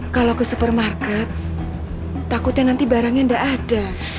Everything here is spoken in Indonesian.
kalau ke supermarket takutnya nanti barangnya tidak ada